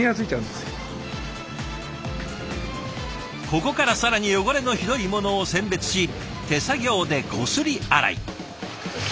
ここから更に汚れのひどいものを選別し手作業でこすり洗い。